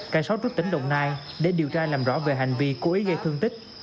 cả sáu trước tỉnh đồng nai để điều tra làm rõ về hành vi cố ý gây thương tích